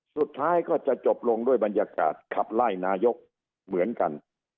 สุดท้ายก็จะจบลงด้วยบรรยากาศขับไล่นายกเหมือนกัน